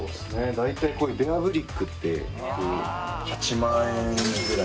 大体こういうベアブリックっていう８万円ぐらい。